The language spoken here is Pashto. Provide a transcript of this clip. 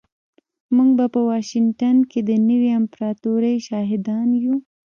موږ به په واشنګټن کې د نوې امپراتورۍ شاهدان یو